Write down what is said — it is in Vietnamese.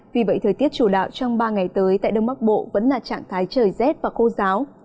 vì vậy thời tiết chủ đạo trong ba ngày tới tại đông bắc bộ vẫn là trạng thái trời rét và khô giáo